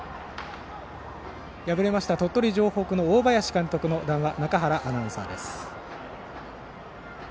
敗れました鳥取城北の大林監督の談話中原アナウンサーです。